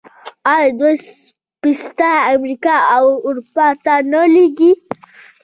آیا دوی پسته امریکا او اروپا ته نه لیږي؟